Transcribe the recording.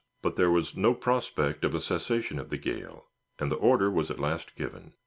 But there was no prospect of a cessation of the gale, and the order was at last given.